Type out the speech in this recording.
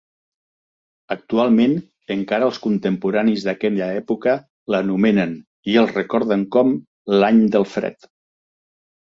Actualment encara els contemporanis d'aquella època l'anomenen, i el recorden com, l'Any del Fred.